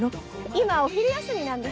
今お昼休みなんで。